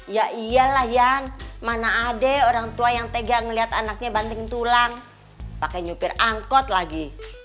ya iyalah iyan mana ada orang tua yang tega ngeliat anaknya banting tulang pakai nyupir angkot lagi